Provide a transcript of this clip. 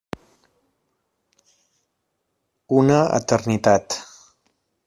Una eternitat.